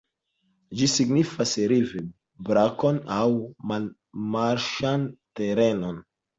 Ĝi signifas river-brakon aŭ marĉan terenon.